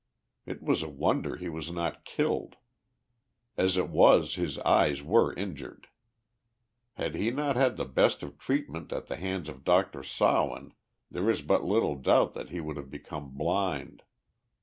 It was a wonder he was not killed. As it was his eyes were injured. Had he not had the best of treatment at the hands of Dr. Sawin there is but little doubt that he would have become blind.